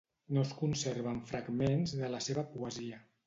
No es conserven fragments de la seva poesia.